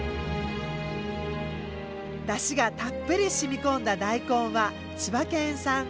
だしがたっぷり染み込んだ大根は千葉県産。